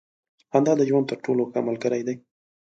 • خندا د ژوند تر ټولو ښه ملګری دی.